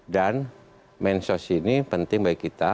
dan mensos ini penting bagi kita